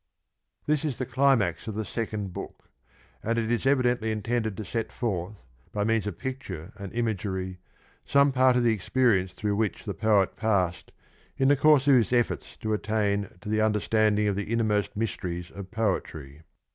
This is the climax of the second book, and it is evidently intended to set forth by means of picture and imagery some part of the experience through which the poet passed in the course of his efforts to attain to the understanding of the innermost mysteries of poetry.